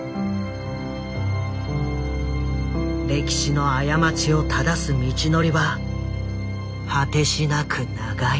歴史の過ちをただす道のりは果てしなく長い。